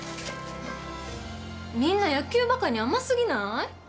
みんな野球バカに甘すぎない？